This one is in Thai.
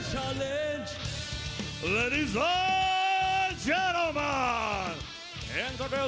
สวัสดีครับทุกคน